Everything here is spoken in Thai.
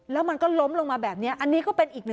ว่ามันก็ล้มลงมาแบบนี้